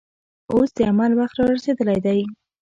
اوس د عمل وخت رارسېدلی دی.